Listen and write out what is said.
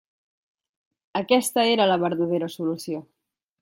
Aquesta era la verdadera solució.